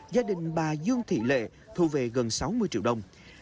gia đình bà dương thị lệ thu về gần sáu mươi triệu đồng